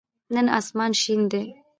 نن آسمان شین دی